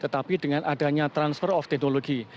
tetapi dengan adanya transfer of technology